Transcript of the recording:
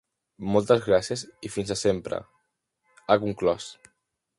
Moltes gràcies i fins a sempre, ha conclòs.